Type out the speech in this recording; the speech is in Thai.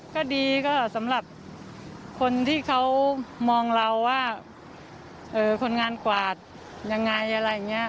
ก็ดีก็สำหรับคนที่เขามองเราว่าคนงานกวาดยังไงอะไรอย่างนี้